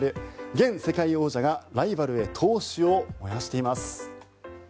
現世界王者がライバルへ闘志を燃やしています。